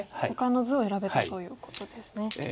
ほかの図を選べたということですね。